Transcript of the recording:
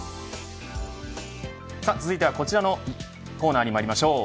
さあ、続いては、こちらのコーナーにまいりましょう。